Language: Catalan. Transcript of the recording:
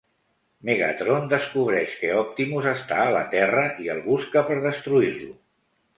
Megatron descobreix que Optimus està a la Terra i el busca per destruir-lo.